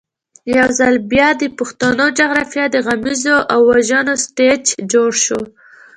یو ځل بیا د پښتنو جغرافیه د غمیزو او وژنو سټېج جوړ شو.